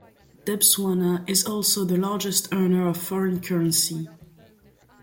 Debswana is also the largest earner of foreign currency.